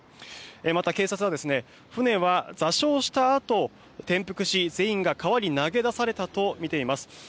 また、警察は船は座礁したあと転覆し全員が川に投げ出されたとみています。